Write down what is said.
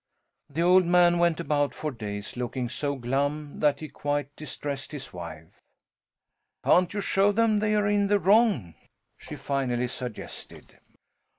The old man went about for days looking so glum that he quite distressed his wife. "Can't you show them they are in the wrong?" she finally suggested.